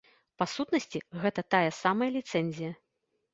Па сутнасці, гэта тая самая ліцэнзія.